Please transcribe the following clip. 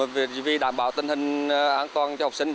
vì đảm bảo tình hình an toàn cho học sinh